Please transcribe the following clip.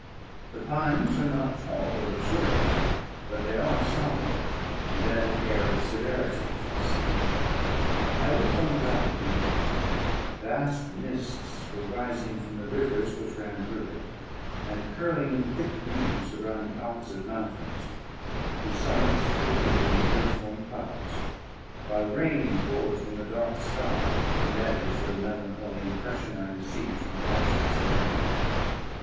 The pines are not tall or luxuriant, but they are sombre, and add an air of severity to the scene. I looked on the valley beneath; vast mists were rising from the rivers which ran through it, and curling in thick wreaths around the opposite mountains, whose summits were hid in the uniform clouds, while rain poured from the dark sky, and added to the melancholy impression I received from the objects around me.